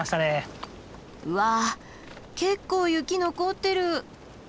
うわ結構雪残っている！